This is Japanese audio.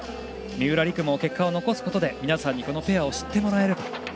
三浦璃来も結果を残すことで皆さんに知ってもらえれば。